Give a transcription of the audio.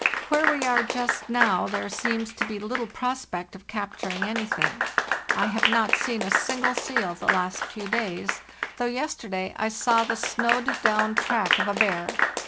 Where we are just now there seems to be little prospect of capturing anything. I have not seen a single seal the last few days; though yesterday I saw the 266 FARTHEST NORTH snowed down track of a bear.